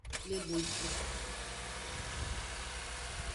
Le boji.